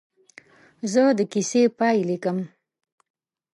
زه د کیسې پاې لیکم.